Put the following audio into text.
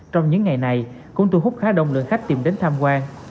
trong những ngày này cũng thu hút khá đông lượng khách tìm đến tham quan